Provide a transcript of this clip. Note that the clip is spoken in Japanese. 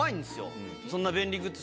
そんな便利グッズ